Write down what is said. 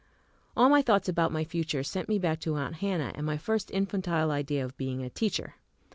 All my thoughts about my future sent me back to Aunt Hannah and my first infantile idea of being a teacher.